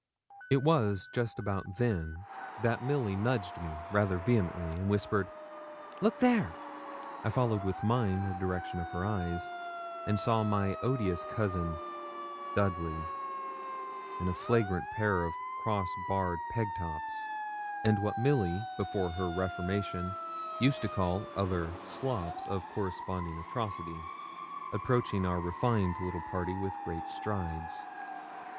It was just about then that Milly nudged me rather vehemently, and whispered 'Look there!' I followed with mine the direction of her eyes, and saw my odious cousin, Dudley, in a flagrant pair of cross barred peg tops, and what Milly before her reformation used to call other 'slops' of corresponding atrocity, approaching our refined little party with great strides.